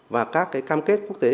và các cam kết quốc tế